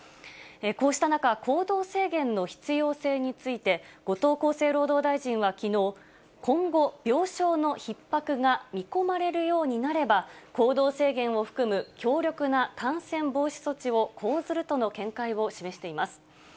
こうした中、行動制限の必要性について、後藤厚生労働大臣はきのう、今後、病床のひっ迫が見込まれるようになれば、行動制限を含む強力な感染防止措置を講ずるとの見解を示しています。